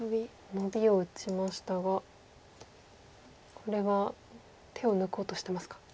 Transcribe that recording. ノビを打ちましたがこれは手を抜こうとしてますか。